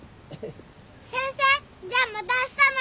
先生じゃあまたあしたな。